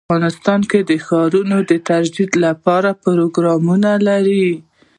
افغانستان د ښارونه د ترویج لپاره پروګرامونه لري.